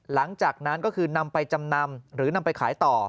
หลังจากนั้นก็คือนำไปจำนำหรือนำไปขายต่อ